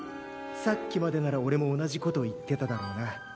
さっきまでならおれも同じこと言ってただろうな。